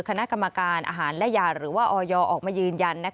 คณะกรรมการอาหารและยาหรือว่าออยออกมายืนยัน